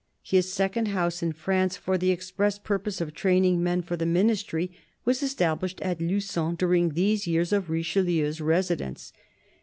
His second house in France, for the express purpose of training men for the ministry, was established at Lugon during these years of Richelieu's residence.